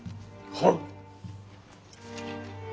はっ。